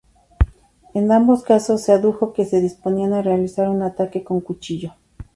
En ambos casos se adujo que se disponían a realizar un ataque con cuchillo.